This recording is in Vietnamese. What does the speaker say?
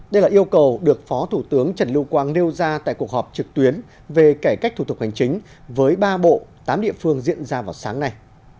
đây là yêu cầu được phó thủ tướng trần lưu quang nêu ra tại cuộc họp trực tuyến về cải cách thủ tục hành chính với ba bộ tám địa phương diễn ra vào sáng nay